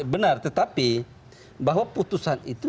benar tetapi bahwa putusan itu